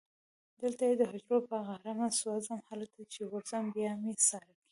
دلته یې د هجر په غارمه سوځم هلته چې ورځم بیا مې ساړه کېږي